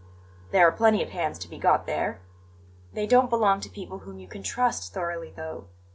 "There are plenty of hands to be got there." "They don't belong to people whom you can trust thoroughly, though.